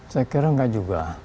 saya kira enggak juga